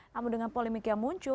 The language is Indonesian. namun dengan polemik yang muncul